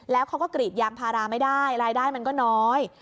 แล้วเขาก็กรีดยางพาราไม่ได้รายได้มันก็น้อย